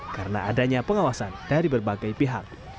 karena adanya pengawasan dari berbagai pihak